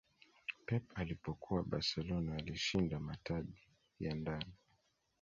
pep alipokuwa barcelona alishinda mataji ya ndani